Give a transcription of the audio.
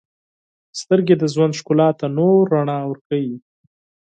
• سترګې د ژوند ښکلا ته نور رڼا ورکوي.